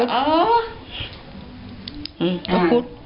อืมตะกุศ